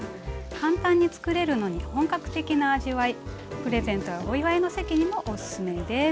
簡単に作れるのに本格的な味わいプレゼントやお祝いの席にもおすすめです。